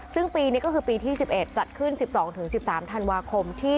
ซึ่งปีนี้ก็คือปีที่สิบเอ็ดจัดขึ้นสิบสองถึงสิบสามธันวาคมที่